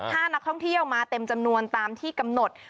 ถ้านักท่องเที่ยวมาเต็มจำนวนตามที่กำหนด